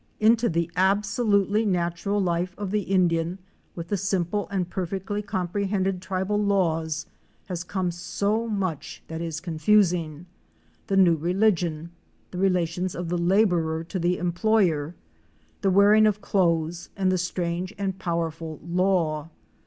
Into the absolutely natural life of the Indian, with the simple and perfectly comprehended tribal laws, has come so much that is confusing; — the new religion, the relations of the laborer to the employer, the wearing of clothes and the strange and powerful law.